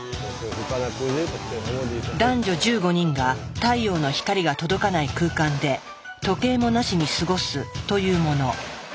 男女１５人が太陽の光が届かない空間で時計もなしに過ごすというもの。